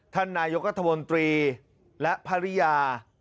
ท่านนายกรัฐมนตรีและภรรยา